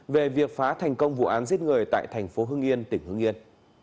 về việc phá thành công vụ án giết người tại thành phố hưng yên tỉnh hưng yên